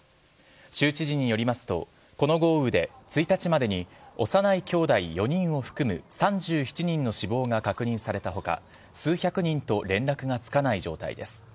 州知事によりますと、この豪雨で１日までに幼いきょうだい４人を含む３７人の死亡が確認されたほか、数百人と連絡がつかない状態です。